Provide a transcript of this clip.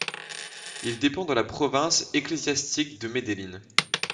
Il dépend de la province ecclésiastique de Medellín.